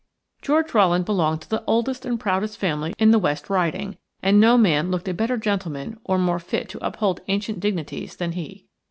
George Rowland belonged to the oldest and proudest family in the West Riding, and no man looked a better gentleman or more fit to uphold ancient dignities than he.